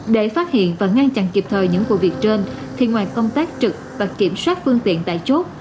để phát hiện và ngăn chặn kịp thời những vụ việc trên thì ngoài công tác trực và kiểm soát phương tiện tại chốt